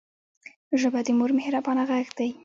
ژبه د مور مهربانه غږ دی